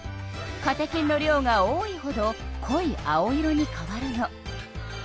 カテキンの量が多いほどこい青色に変わるの。